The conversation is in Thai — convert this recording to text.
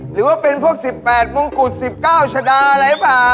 หรือว่าเป็นพวก๑๘มงกุฎ๑๙ชะดาอะไรหรือเปล่า